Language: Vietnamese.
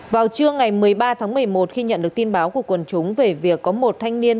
vào trưa ngày một mươi ba tháng một mươi một khi nhận được tin báo của quần chúng về việc có một thanh niên